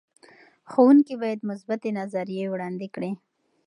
ښوونکي باید مثبتې نظریې وړاندې کړي.